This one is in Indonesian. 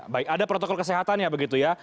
baik ada protokol kesehatannya begitu ya